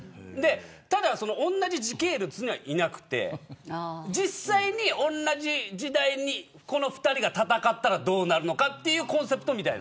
ただ、同じ時系列にはいなくて実際に同じ時代にこの２人が戦ったらどうなるのかというコンセプトみたいな。